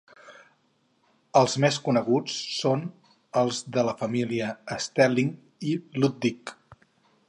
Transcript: Els més coneguts són els de la família Stegling i Ludick.